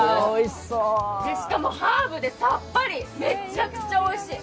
しかもハーブでさっぱり、めちゃくちゃおいしい。